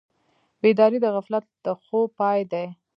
بیداري د غفلت د خوب پای دی.